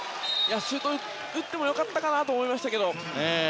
打ってもよかったかなと思いましたけど。